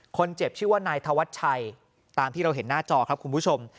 คนเจ็บชื่อว่านายธวัชชัยตามที่เราเห็นหน้าจอครับคุณผู้ชม